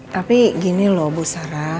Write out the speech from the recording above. tapi gini loh bu sarah